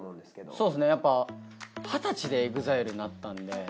そうですねやっぱ二十歳でＥＸＩＬＥになったんで。